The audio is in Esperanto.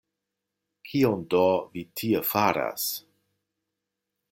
Kion do vi tie faras?